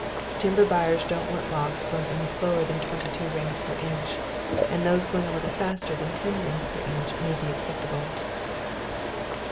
Timber buyers don't want logs grown any slower than 22 rings per inch and those grown a little faster than ten rings per inch may be acceptable.